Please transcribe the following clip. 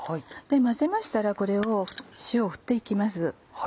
混ぜましたらこれを塩を振っていきます。